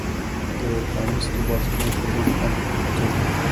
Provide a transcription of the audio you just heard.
د پرانیستو بازارونو پرضد ګام پورته کوي.